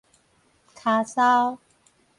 跤梢